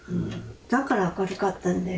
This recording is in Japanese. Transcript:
だから明るかったんだよ。